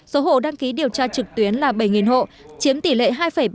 số hộ đăng ký điều tra trực tuyến là bảy hộ chiếm tỷ lệ hai ba mươi